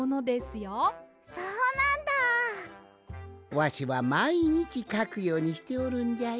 わしはまいにちかくようにしておるんじゃよ。